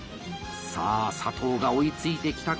さあ佐藤が追いついてきたか！